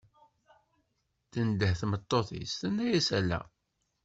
tendeh tmeṭṭut-is tenna-as ala.